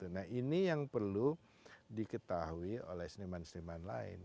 nah ini yang perlu diketahui oleh seniman seniman lain